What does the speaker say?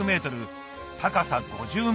高さ５０ｍ